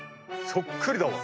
そっくりだわ。